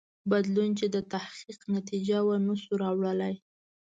بدلون چې د تحقیق نتیجه وه نه شو راوړلای.